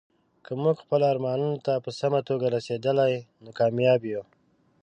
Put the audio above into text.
که موږ خپلو ارمانونو ته په سمه توګه رسیدلي، نو کامیاب یو.